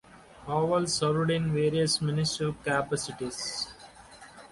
Howells served in various ministerial capacities.